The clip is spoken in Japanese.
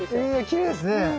きれいですね。